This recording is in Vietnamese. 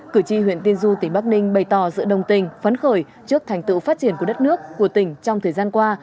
cử tri huyện tiên du tỉnh bắc ninh bày tỏ sự đồng tình phấn khởi trước thành tựu phát triển của đất nước của tỉnh trong thời gian qua